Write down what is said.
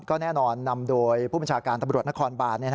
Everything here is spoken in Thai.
ก็แน่นอนนำโดยผู้บัญชาการตำรวจนครบาน